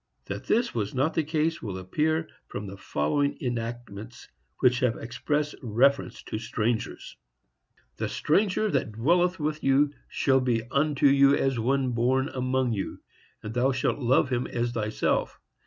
That this was not the case will appear from the following enactments, which have express reference to strangers: The stranger that dwelleth with you shall be unto you as one born among you, and thou shalt love him as thyself.